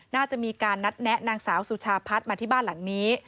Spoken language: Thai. น่าจะมีการนัดแนะนางสาวสุชาพัฒน์มาที่บ้านหลังนี้